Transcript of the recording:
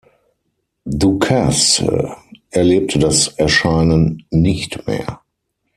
Ducasse erlebte das Erscheinen nicht mehr.